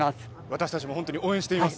私たちも本当に応援しています。